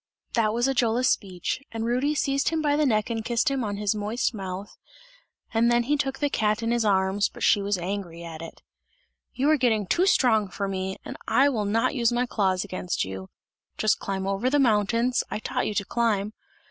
That was Ajola's speech, and Rudy seized him by the neck and kissed him on his moist mouth, and then he took the cat in his arms, but she was angry at it. "You are getting too strong for me, and I will not use my claws against you! Just climb over the mountains, I taught you to climb!